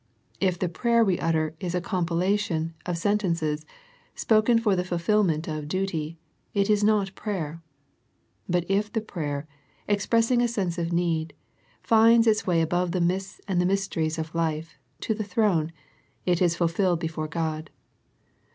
If the prayer we utter is a compilation of sen tences, spoken for the fulfilment of duty, it is not prayer. But if the prayer, expressing a sense of need, finds its way above the mists and the mysteries of life, to the throne, it is fulfilled before God.